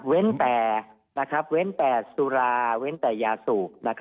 เว้นแต่สุราเว้นแต่ยาสูบ